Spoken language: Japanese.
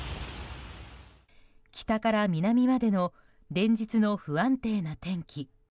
北から南までの連日の不安定な天気。